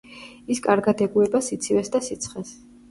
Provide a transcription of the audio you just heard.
ის კარგად ეგუება სიცივეს და სიცხეს.